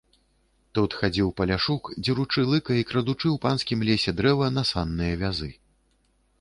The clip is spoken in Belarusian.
Тут хадзіў паляшук, дзеручы лыка і крадучы ў панскім лесе дрэва на санныя вязы.